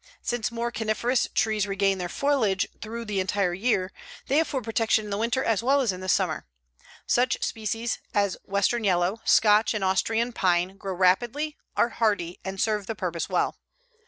Since more coniferous trees retain their foliage throughout the entire year, they afford protection in winter as well as in summer. Such species as western yellow, Scotch and Austrian pine grow rapidly, are hardy, and serve the purpose well.